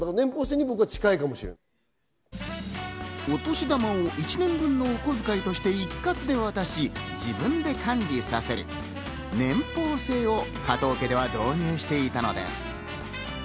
お年玉を１年分のお小遣いとして一括で渡し、自分で管理させる年俸制を加藤家では導入していたのです。